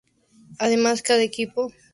Además cada equipo tiene dos fechas libres.